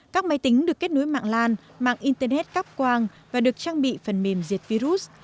các máy tính được kết nối mạng lan mạng internet cáp quang và được trang bị phần mềm diệt virus